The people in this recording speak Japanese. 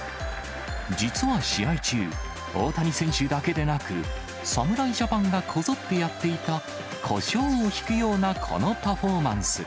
実は試合中、大谷選手だけでなく、侍ジャパンがこぞってやっていたこしょうをひくようなこのパフォーマンス。